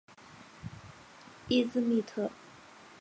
伊兹密特。